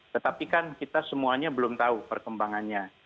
tetapi kan kita semuanya belum tahu perkembangannya